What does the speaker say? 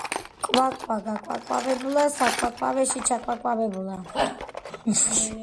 კვაკა გაკვაკებულა საკვაკაკეში ჩაკვაკაკებულა